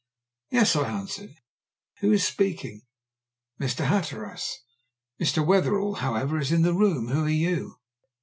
"Yes," I answered. "Who is speaking?" "Mr. Hatteras. Mr. Wetherell, however, is in the room. Who are you?"